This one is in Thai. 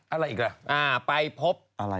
อะไรอีกละ